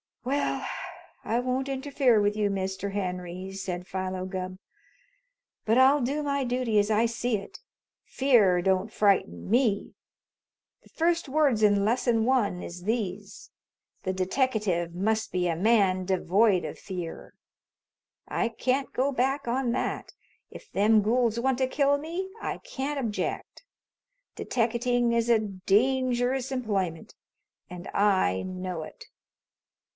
"Well, I won't interfere with you, Mr. Henry," said Philo Gubb. "But I'll do my dooty as I see it. Fear don't frighten me. The first words in Lesson One is these: 'The deteckative must be a man devoid of fear.' I can't go back on that. If them gools want to kill me, I can't object. Deteckating is a dangerous employment, and I know it."